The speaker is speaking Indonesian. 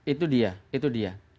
itu dia itu dia